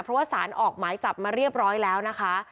เพราะว่าสารออกหมายจับมาเรียบร้อยแล้วนะคะ